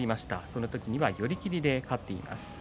そのとき寄り切りで勝っています。